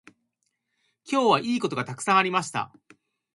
今日はいいことがたくさんありました。